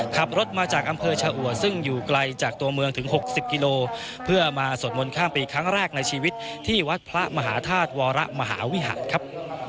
ขับรถมาจากอำเภอชะอวดซึ่งอยู่ไกลจากตัวเมืองถึง๖๐กิโลเพื่อมาสวดมนต์ข้ามปีครั้งแรกในชีวิตที่วัดพระมหาธาตุวรมหาวิหารครับ